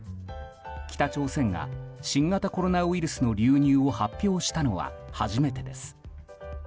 北朝鮮が新型コロナウイルスの流入を発表したの初めてです。